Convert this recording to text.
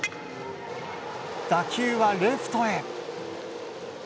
打球はレフトへ。